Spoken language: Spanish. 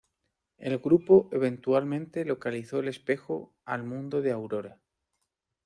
El grupo eventualmente localizó el espejo al mundo de Aurora.